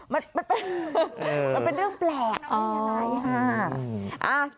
มันเป็นเรื่องแปลกนะมีอะไรค่ะ